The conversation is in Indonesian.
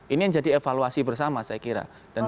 ini yang jadi evaluasi bersama saya kira